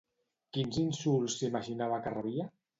Quins insults s'imaginava que rebia?